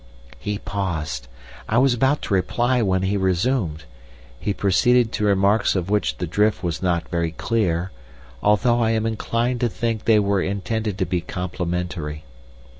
"He paused. I was about to reply when he resumed. He proceeded to remarks of which the drift was not very clear, though I am inclined to think they were intended to be complimentary.